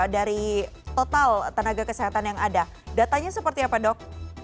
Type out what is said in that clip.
dari total tenaga kesehatan yang ada datanya seperti apa dok